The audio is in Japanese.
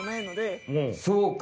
そうか！